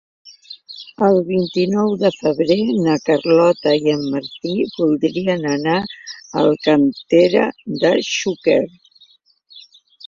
El vint-i-nou de febrer na Carlota i en Martí voldrien anar a Alcàntera de Xúquer.